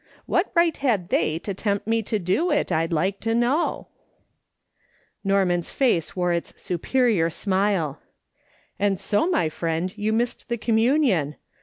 What right had they to tempt me to do it, I'd like to know ?" Norman's face wore its superior smile. " And so, my friend, you missed the communion